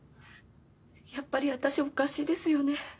やっぱり私おかしいですよね。